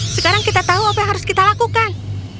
sekarang kita tahu apa yang harus kita lakukan